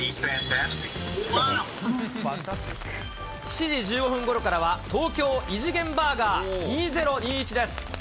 ７時１５分ごろからは、ＴＯＫＹＯ異次元バーガー２０２１です。